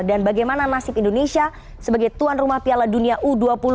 dan bagaimana nasib indonesia sebagai tuan rumah piala dunia u dua puluh dua ribu dua puluh tiga